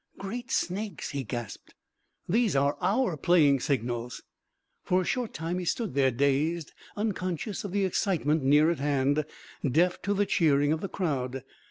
"Great snakes!" he gasped. "These are our playing signals!" For a short time he stood there dazed, unconscious of the excitement near at hand, deaf to the cheering of the crowd.